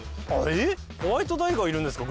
えっホワイトタイガーいるんですか？